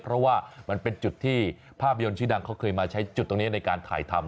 เพราะว่ามันเป็นจุดที่ภาพยนตร์ชื่อดังเขาเคยมาใช้จุดตรงนี้ในการถ่ายทำ